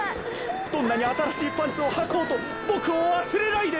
どんなにあたらしいパンツをはこうとボクをわすれないで。